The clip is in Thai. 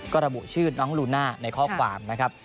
ก็ระบุชื่อน้องลูน่าในข้อความนะครับ